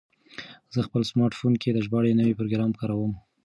زه په خپل سمارټ فون کې د ژباړې نوی پروګرام کاروم.